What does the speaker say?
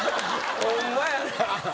ホンマやな。